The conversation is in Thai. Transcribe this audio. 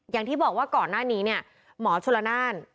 อย่างที่บอกว่าก่อนหน้านี้เนี่ยหมอชลนาน